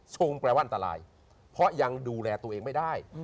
แปลว่าอันตรายเพราะยังดูแลตัวเองไม่ได้